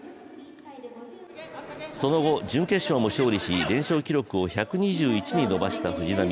その後、準決勝も勝利し、連勝記録を１２１に伸ばした藤波。